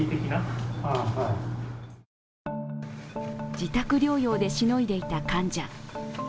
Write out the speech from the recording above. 自宅療養でしのいでいた患者。